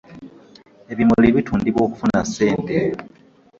Ebimuli bitundibwa okufuna ssente.